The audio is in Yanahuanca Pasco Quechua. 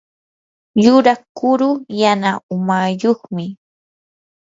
yuraq kuru yana umayuqmi.